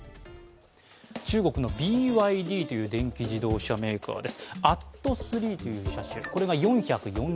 中国のＢＹＤという電気自動車メーカーです。